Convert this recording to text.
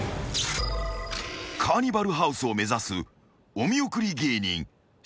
［カーニバルハウスを目指すお見送り芸人しんいち］